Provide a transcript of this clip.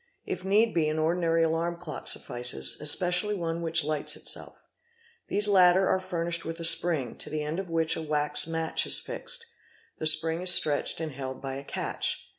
If need be an ordinary alarm clock suffices, especially one which hghts itself. These latter are furnished with a spring, to the end of which a wax match is fixed; the spring is stretched and held by a catch.